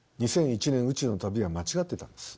「２００１年宇宙の旅」は間違ってたんです。